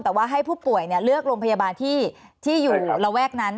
แต่ว่าให้ผู้ป่วยเลือกโรงพยาบาลที่อยู่ระแวกนั้น